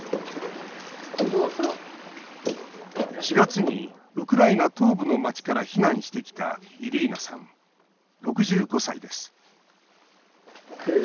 ４月にウクライナ東部の町から避難してきたイリーナさん６５歳です